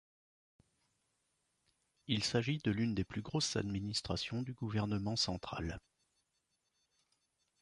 Il s'agit de l'une des plus grosses administrations du gouvernement central.